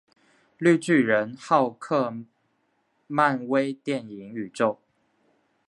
绿巨人浩克漫威电影宇宙